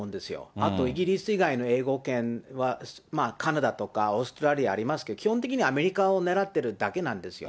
あとイギリス以外の英語圏はまあ、カナダとかオーストラリアありますけど、基本的にはアメリカを狙ってるだけなんですよ。